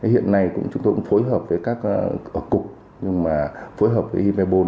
hiện nay chúng tôi cũng phối hợp với các cục phối hợp với himebon